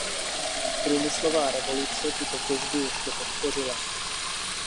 Průmyslová revoluce tuto těžbu ještě podpořila.